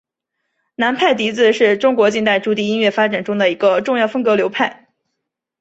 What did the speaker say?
南派笛子是中国近代竹笛音乐发展中的一个重要风格流派。